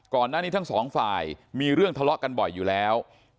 ก่อนหน้านี้ทั้งสองฝ่ายมีเรื่องทะเลาะกันบ่อยอยู่แล้ว